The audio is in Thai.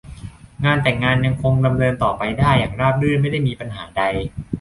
งานแต่งงานยังคงดำเนินต่อไปได้อย่างราบรื่นไม่ได้มีปัญหาใด